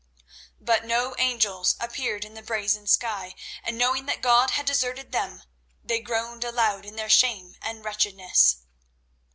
But no angels appeared in the brazen sky, and knowing that God had deserted them, they groaned aloud in their shame and wretchedness.